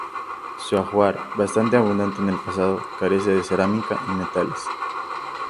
Su ajuar, bastante abundante en el pasado, carece de cerámica y metales.